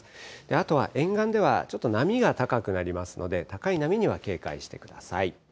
あとは沿岸では、ちょっと波が高くなりますので、高い波には警戒してください。